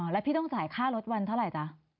แล้วพี่ต้องจ่ายค่ารถวันเท่าไหร่จ๊ะ